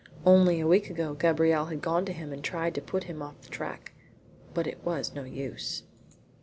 Only a week ago Gabrielle had gone to him and tried to put him off the track, but it was no use.